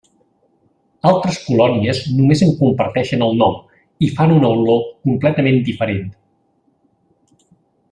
Altres colònies només en comparteixen el nom i fan una olor completament diferent.